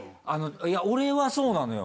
いや俺はそうなのよ。